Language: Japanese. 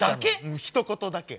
うんひと言だけ。